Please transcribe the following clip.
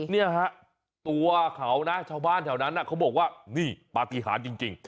เนี่ยฮะตัวเขานะชาวบ้านแถวนั้นเขาบอกว่านี่ปฏิหารจริง